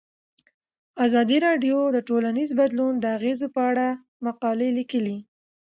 ازادي راډیو د ټولنیز بدلون د اغیزو په اړه مقالو لیکلي.